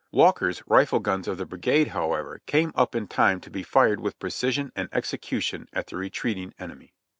"Walker's rifle guns of the brigade, however, came up in time to be fired with precision and execution at the retreating enemy."